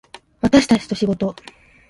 私たちと仕事